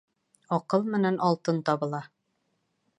Аҡыл менән алтын табыла